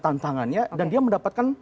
tantangannya dan dia mendapatkan